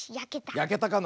やけたかな。